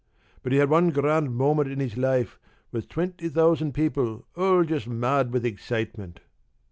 But he had one grand moment in his life, with twenty thousand people all just mad with excitement.